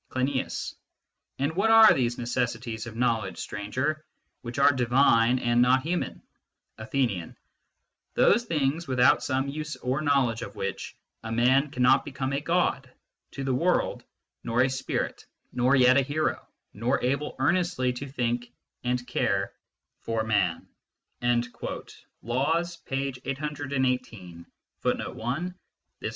Cleinias. And what are these necessities of knowledge, Stranger, which are divine and not human ? Athenian. Those things without some use or knowledge of which a man cannot become a God to the world, nor a spirit, nor yet a hero, nor able earnestly to think and care for man " (Laws, p.